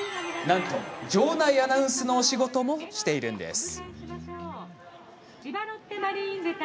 なんと場内アナウンスの仕事もしているんです。